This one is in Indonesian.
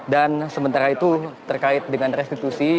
dan sementara itu terkait dengan restitusi